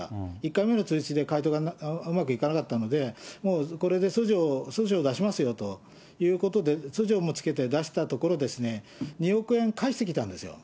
１回目の通知で回答がうまくいかなかったので、もうこれで訴状を出しますよということで、訴状もつけて出したところ、２億円返してきたんですよ。